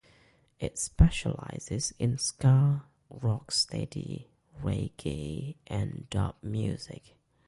It specialises in ska, rocksteady, reggae and dub music.